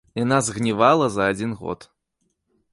Яна згнівала за адзін год.